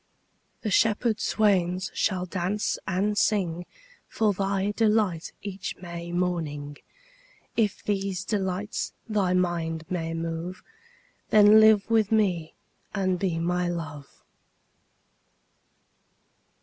20 The shepherd swains shall dance and sing For thy delight each May morning: If these delights thy mind may move, Then live with me and be my Love.